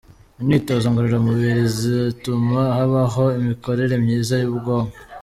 Imyitozo ngororamubiri ituma habaho imikorere myiza y’ubwonko